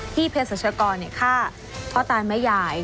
พี่เพชรศักรกรฆ่าพ่อตายแม่ยาย